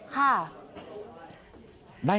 ค่ะ